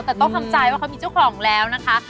แต่ต้องทำใจว่าเขามีเจ้าของแล้วนะคะ